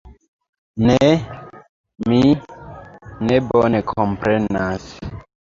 Ne, mi ne bone komprenas.